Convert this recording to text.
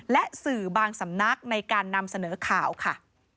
และสื่อบางสำนักในการนำเสนอข่าวค่ะ